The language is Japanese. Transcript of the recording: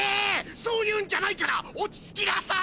そういうんじゃないから落ち着きなさイ。